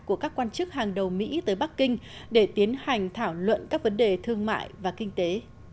của các quan chức hàng đầu mỹ tới bắc kinh để tiến hành thảo luận các vấn đề thương mại và kinh tế